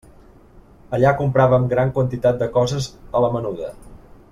Allà compràvem gran quantitat de coses a la menuda.